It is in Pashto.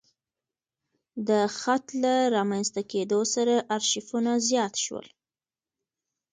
د خط له رامنځته کېدو سره ارشیفونه زیات شول.